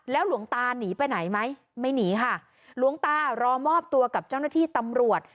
หลวงตานีไปไหนไหมไม่หนีค่ะหลวงตารอมอบตัวกับเจ้าหน้าที่ตำรวจ